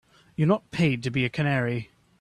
You're not paid to be a canary.